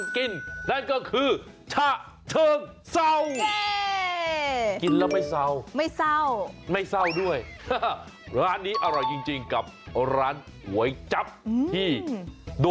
เฮ้ยสุดยอด